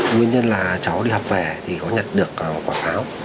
nguyên nhân là cháu đi học về thì có nhận được quả pháo